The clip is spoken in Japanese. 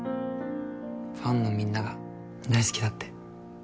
ファンのみんなが大好きだって。